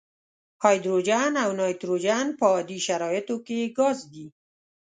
هایدروجن او نایتروجن په عادي شرایطو کې ګاز دي.